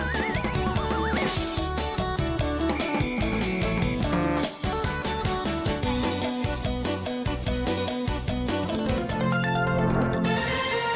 สวัสดีครับสวัสดีครับ